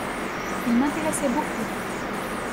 Il m'intéressait beaucoup.